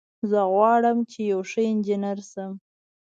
زه غواړم چې یو ښه انجینر شم